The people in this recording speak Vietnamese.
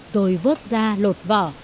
rồi vớt ra lột vỏ